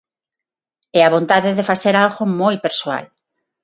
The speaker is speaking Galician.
E a vontade de facer algo moi persoal.